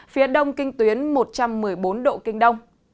phía đông kinh tuyến một trăm một mươi bốn độ kinh đông